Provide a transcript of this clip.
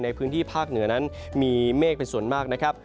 ในพื้นที่ภาคเหนือนั้นมีเมฆเป็นส่วนมากนะครับ